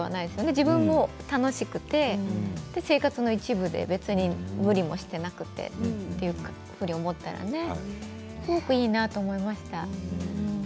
自分もうれしくて生活の一部で無理もしていなくてと思ったらねいいなと思いました。